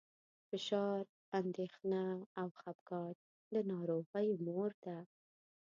فشار، اندېښنه او خپګان د ناروغیو مور ده.